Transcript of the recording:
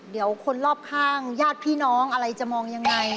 เดี๋ยวคนรอบข้างญาติพี่น้องอะไรจะมองยังไง